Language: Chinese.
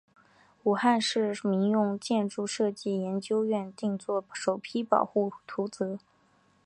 武汉市民用建筑设计研究院定做了首批保护图则。